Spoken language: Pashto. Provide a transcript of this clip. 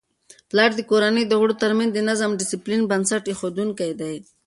پلار د کورنی د غړو ترمنځ د نظم او ډیسپلین بنسټ ایښودونکی دی.